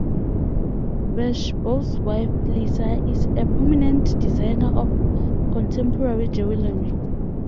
Vershbow's wife, Lisa, is a prominent designer of contemporary jewelry.